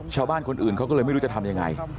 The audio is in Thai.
ชาวบ้านคนอื่นเขาก็เลยไม่รู้จะทำยังไง